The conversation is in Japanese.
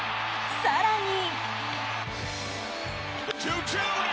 更に。